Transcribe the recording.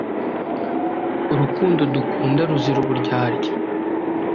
urukundo dukunda ruzira uburyarya.